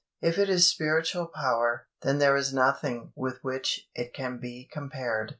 If it is spiritual power, then there is nothing with which it can be compared.